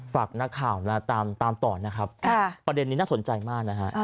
ฝากนักข่าวนะตามต่อนะครับประเด็นนี้น่าสนใจมากนะฮะ